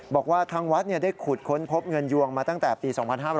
บอกว่าทางวัดได้ขุดค้นพบเงินยวงมาตั้งแต่ปี๒๕๕๘